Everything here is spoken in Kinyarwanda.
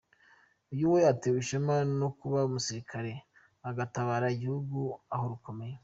Uyu we atewe ishema no kuba umusirikare agatabara igihugu aho rukomeye.